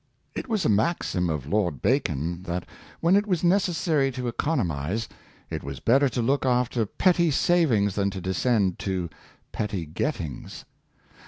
It was a maxim of Lord Bacon, that when it was necessary to economize, it was better to look after petty savings than to descend to petty gettings.